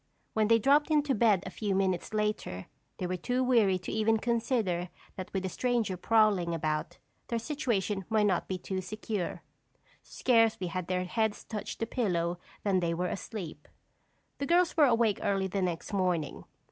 When they dropped into bed a few minutes later, they were too weary to even consider that with a stranger prowling about, their situation might not be too secure. Scarcely had their heads touched the pillow than they were asleep. The girls were awake early the next morning.